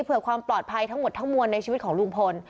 เพื่อความปลอดภัยทั้งหมดทั้งมวลในชีวิตของลุงพล